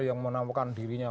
yang menampakan dirinya